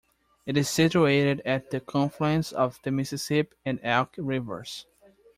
It is situated at the confluence of the Mississippi and Elk Rivers.